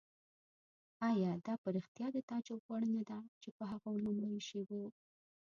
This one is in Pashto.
آیا دا په رښتیا د تعجب وړ نه ده چې په هغو لومړیو شېبو.